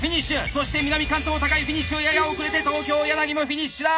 そして南関東高井フィニッシュやや遅れて東京もフィニッシュだ！